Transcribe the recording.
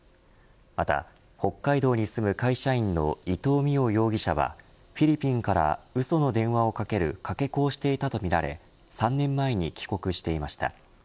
また、北海道に住む会社員の伊藤澪容疑者はフィリピンからうその電話をかけるかけ子をしていたとみられ３年前に帰国していました。